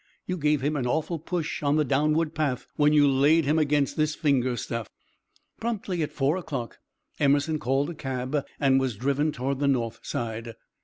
You gave him an awful push on the downward path when you laid him against this finger stuff." Promptly at four o'clock Emerson called a cab and was driven toward the North Side.